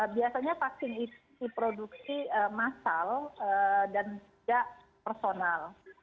biasanya vaksin itu diproduksi massal dan tidak personal